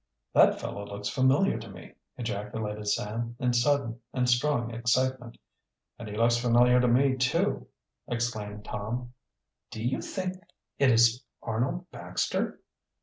"That fellow looks familiar to me," ejaculated Sam, in sudden and strong excitement. "And he looks familiar to me, too," exclaimed Tom. "Do you think it is Arnold Baxter?"